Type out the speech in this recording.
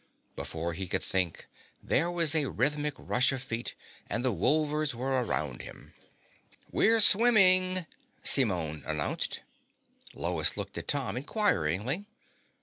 Before he could think, there was a rhythmic rush of feet and the Wolvers were around them. "We're swimming," Simone announced. Lois looked at Tom inquiringly.